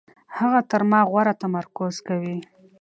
هغه تر ما غوره تمرکز کوي.